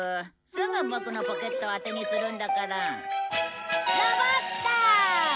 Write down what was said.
すぐボクのポケットを当てにするんだから。